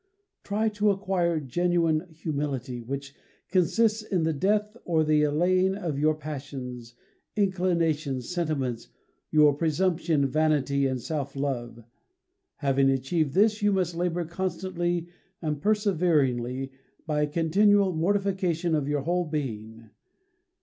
Try to acquire genuine humility, which consists in the death or the allaying of your passions, inclinations, sentiments: your presumption, vanity, and self love; having achieved this you must labour constantly and perseveringly by a continual mortification of your whole being.